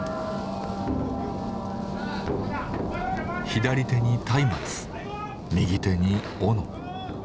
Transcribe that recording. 左手に松明右手に斧。